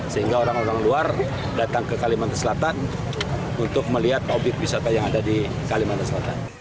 sehingga orang orang luar datang ke kalimantan selatan untuk melihat obyek wisata yang ada di kalimantan selatan